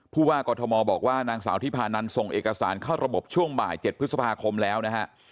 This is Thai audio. ผู้ว่ากอทมบอกว่านางสาวที่พานันส่งเอกสารเข้าระบบช่วงบ่าย๗พฤษภาคมแล้วนะฮะ